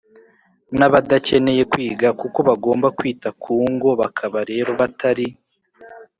nk’abadakeneye kwiga, kuko bagomba kwita ku ngo bakaba rero batari